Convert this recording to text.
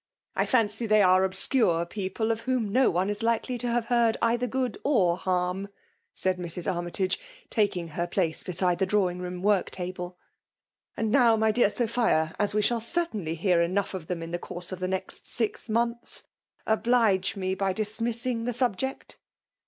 '* I fancy they are obscure people, of whom no one is likely to have heard either good mr harm/* said Mrs. Armytage» taking her place beside the drawing room work table. " And now, my dear Sophia, as we shall certainly hear enough of them in the course of the next six months, oblige me by dismissing the subject.'